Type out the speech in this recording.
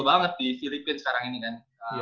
banget di filipina sekarang ini kan